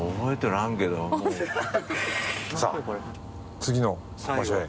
さぁ次の場所へ。